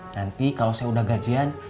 nanti kalau saya udah gajian